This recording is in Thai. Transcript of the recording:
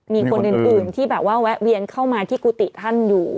มีคนอื่นที่แบบว่าแวะเวียนเข้ามาที่กุฏิท่านอยู่